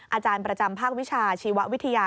อาจารย์ประจำภาควิชาชีววิทยา